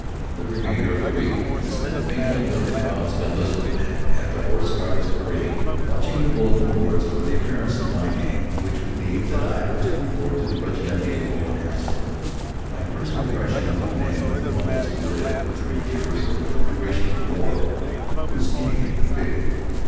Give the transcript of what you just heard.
The remainder of the week I spent mingling with the crowds of enlisted men at the Horse Guards Parade, watching the bulletin boards for the appearance of my name which would mean that I was to report at the regimental depot at Hounslow. My first impression of the men with whom I was to live for three years, or the duration of the war, was anything but favorable.